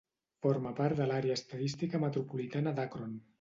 Forma part de l'Àrea Estadística Metropolitana d'Akron.